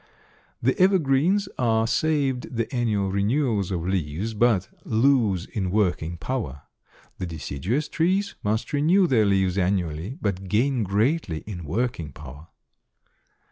The evergreens are saved the annual renewal of leaves, but lose in working power; the deciduous trees must renew their leaves annually, but gain greatly in working power.